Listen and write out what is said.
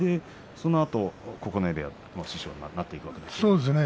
そのあと九重部屋の師匠になったんですね。